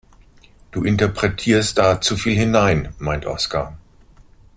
Du interpretierst da zu viel hinein, meint Oskar.